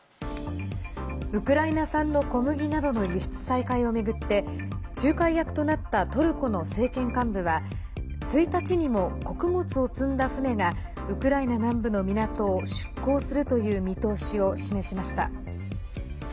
ウクライナ産の小麦などの輸出再開を巡って仲介役となったトルコの政権幹部は１日にも、穀物を積んだ船がウクライナ南部の港を出港するという見通しを示しました。